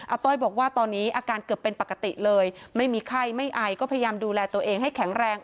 ต้อยบอกว่าตอนนี้อาการเกือบเป็นปกติเลยไม่มีไข้ไม่ไอก็พยายามดูแลตัวเองให้แข็งแรง